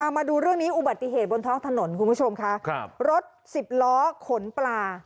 มาดูเรื่องนี้อุบัติเหตุบนท้องถนนคุณผู้ชมค่ะครับรถสิบล้อขนปลา